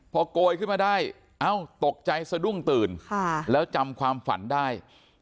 พอโกยขึ้นมาได้เอ้าตกใจสะดุ้งตื่นแล้วจำความฝันได้